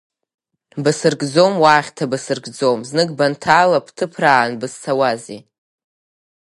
Басыркӡом, уа ахьҭа басыркӡом, знык банҭала, бҭыԥраан бызцауазеи?!